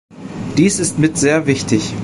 Dies ist mit sehr wichtig.